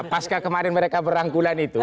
pasca kemarin mereka berangkulan itu